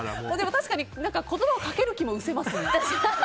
確かに、言葉をかける気も失せますね。